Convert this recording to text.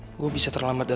harus lupain dulu kontesnya